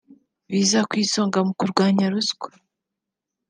biza ku isonga mu kurwanya ruswa